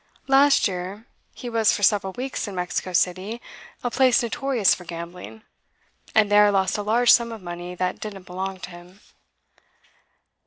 Last year he was for several weeks in Mexico City, a place notorious for gambling, and there lost a large sum of money that didn't belong to him.